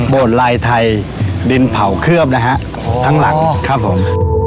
ลายไทยดินเผาเคลือบนะฮะทั้งหลังครับผม